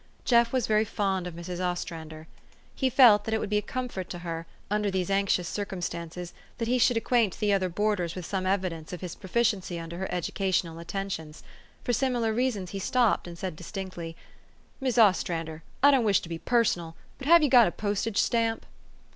Jeff was very fond of Mrs. Ostrander. He felt that it would 434 THE STORY OF AVIS. be a comfort to her, under these anxious circum stances, that he should acquaint the other boarders with some evidence of his proficiency under her edu cational attentions. For similar reasons he stopped, and said distinctly, "Mis' Ostrander, I don't wish to be personal; but have you got a postage stamp?